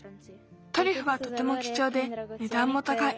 トリュフはとてもきちょうでねだんもたかい。